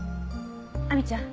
亜美ちゃん